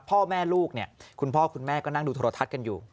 พ่อแม่ลูกเนี่ยคุณพ่อคุณแม่ก็นั่งดูโทรทัศน์กันอยู่